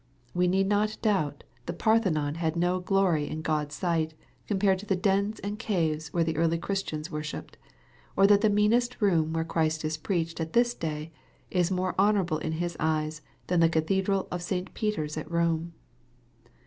We need not doubt the Parthenon had no glory in God's sight com pared to the dens and caves where the early Christians worshipped, or that the meanest room where Christ is preached at this day, is more honorable in his eyes than the cathedral of St. Peter's at Rome.